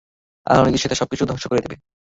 আল্লাহর নির্দেশে এটা সবকিছু ধ্বংস করে দেবে।